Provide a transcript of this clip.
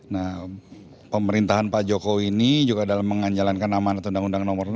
nah pemerintahan pak jokowi ini juga dalam menganjalankan amanat undang undang nomor enam